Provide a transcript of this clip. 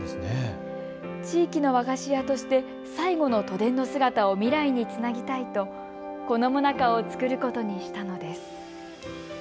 地域の和菓子屋として最後の都電の姿を未来につなぎたいとこのもなかを作ることにしたのです。